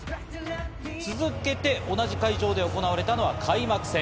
続けて同じ会場で行われたのは開幕戦。